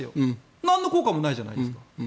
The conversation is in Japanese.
なんの効果もないじゃないですか。